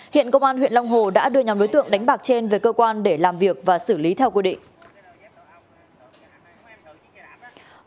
hiện công an huyện long hồ đã đưa nhóm đối tượng đánh bạc trên về cơ quan để làm việc và xử lý theo quy định